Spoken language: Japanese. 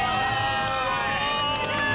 すごい！